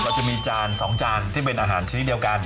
จะมีจาน๒จานที่เป็นอาหารชนิดเดียวกัน